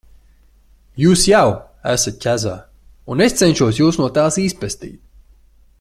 Jūs jau esat ķezā, un es cenšos Jūs no tās izpestīt.